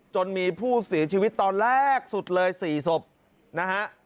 จนมีผู้เสียชีวิตตอนแรกสุดเลย๔ศพนะฮะ